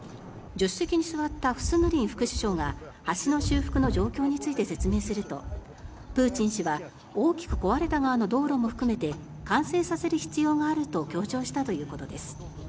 助手席に座ったフスヌリン副首相が橋の修復の状況について説明するとプーチン氏は大きく壊れた側の道路も含めて完成させる必要があると強調したということです。